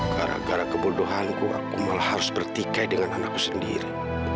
gara gara kebodohanku aku malah harus bertikai dengan anakku sendiri